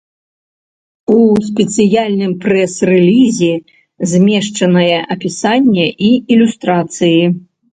У спецыяльным прэс-рэлізе змешчанае апісанне і ілюстрацыі.